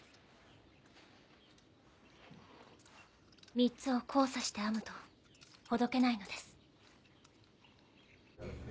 ３つを交差して編むとほどけないのです。